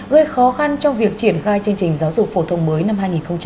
gây khó khăn trong việc triển khai chương trình giáo dục phổ thông mới năm hai nghìn một mươi chín